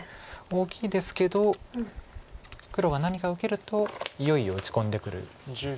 大きいですけど黒が何か受けるといよいよ打ち込んでくる。